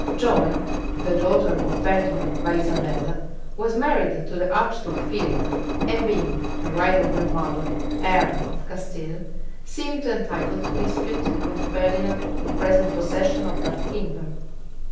Joan, the daughter of Ferdinand by Isabella, was married to the archduke Philip, and being, in right of her mother, heir of Castile, seemed entitled to dispute with Ferdinand the present possession of that kingdom.